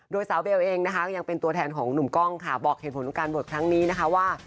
โดยสาวเบลเองนะคะยังเป็นตัวแทนของหนุ่มกล้องค่ะบอกเหตุผลของการบวชครั้งนี้นะคะว่า